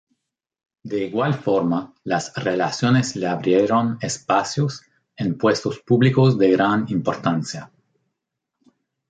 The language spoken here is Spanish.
De igual forma las relaciones le abrieron espacios en puestos públicos de gran importancia.